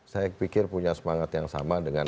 saya pikir punya semangat yang sama dengan